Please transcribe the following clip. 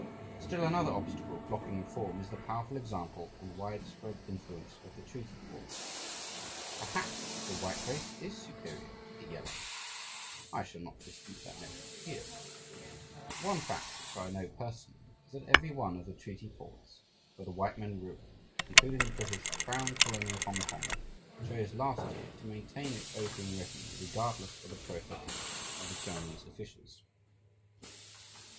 Still another obstacle blocking reform is the powerful example and widespread influence of the treaty ports. Perhaps the white race is "superior" to the yellow; I shall not dispute that notion here. But one fact which I know personally is that every one of the treaty ports, where the white men rule, including the British crown colony of Hongkong, chose last year to maintain its opium revenue regardless of the protests of the Chinese officials.